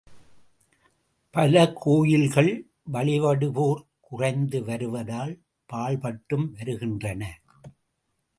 பல கோயில்கள் வழிபடுவோர் குறைந்து வருவதால் பாழ் பட்டும் வருகின்றன.